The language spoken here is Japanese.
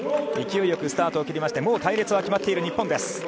勢いよくスタートを切りまして、もう隊列は決まっている日本です。